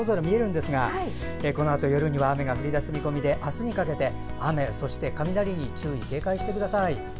このあと夜には雨が降り出す見込みで明日にかけて雨、そして雷に注意、警戒してください。